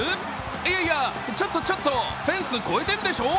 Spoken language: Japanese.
いやいや、ちょっとちょっと、フェンス越えてるでしょ。